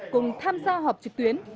cùng tham gia họp trực tuyến